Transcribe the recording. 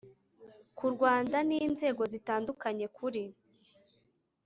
ku rwanda n inzego zitandukanye kuri